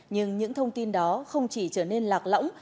nhưng những thông tin đó không chỉ trở nên lạc lõng